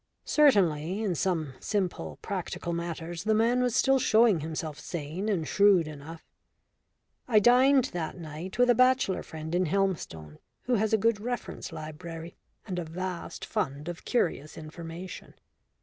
Certainly, in some simple practical matters the man was still showing himself sane and shrewd enough. I dined that night with a bachelor friend in Helmstone who has a good reference library and a vast fund of curious information.